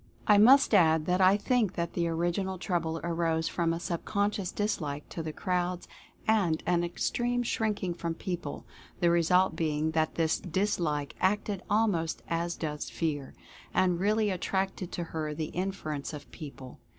I must add that I think that the original trouble arose from a subconscious dislike to the crowds and an extreme shrinking from people, the result being that this dis like acted almost as does Fear, and really attracted to her the interference of people.